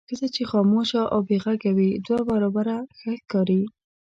ښځه چې خاموشه او بې غږه وي دوه برابره ښه ښکاري.